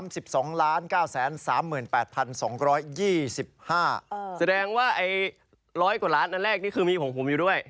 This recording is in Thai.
แสดงว่าไอ้ร้อยกว่าล้านอันแรกนี่คือมีของผมอยู่ด้วย